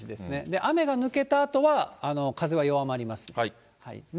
雨が抜けたあとは、風は弱まります。